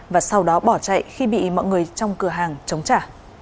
và sau đó bỏ chạy khi bị mọi người trong cửa hàng chống trả